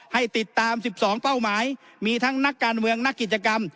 ให้ติดตาม๑๒เป้าหมายมีทั้งนักการเมืองนักกิจกรรม